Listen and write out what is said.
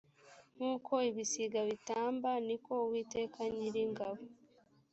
nk uko ibisiga bitamba ni ko uwiteka nyiringabo